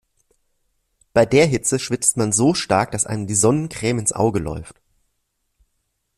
Bei der Hitze schwitzt man so stark, dass einem die Sonnencreme ins Auge läuft.